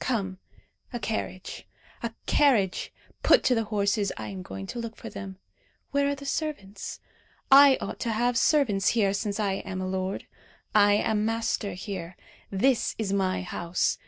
Come! a carriage, a carriage! put to the horses. I am going to look for them. Where are the servants? I ought to have servants here, since I am a lord. I am master here. This is my house.